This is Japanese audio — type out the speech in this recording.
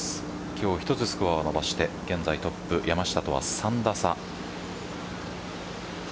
今日１つスコアを伸ばして現在トップ山下とは３打差。